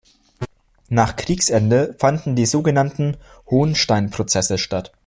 Nach Kriegsende fanden die sogenannten Hohnstein-Prozesse statt.